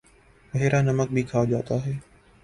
بحیرہ نمک بھی کہا جاتا ہے